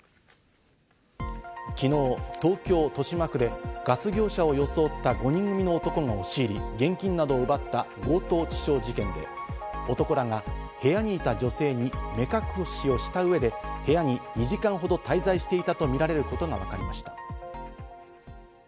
昨日、東京・豊島区でガス業者を装った５人組の男が押し入り、現金などを奪った強盗致傷事件で、男らが部屋にいた女性に目隠しをした上で、部屋に２時間ほど滞在していたとみられることがわかりました。